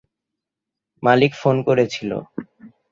মালিক phone করেছিল।